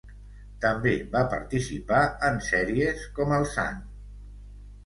També va participar en sèries com El Sant.